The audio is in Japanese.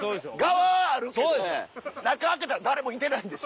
ガワはあるけど中開けたら誰もいてないんでしょ。